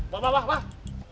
bapak bapak bapak